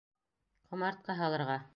Ҡомартҡы һалырға.